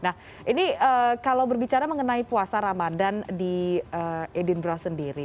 nah ini kalau berbicara mengenai puasa ramadan di edinburgh sendiri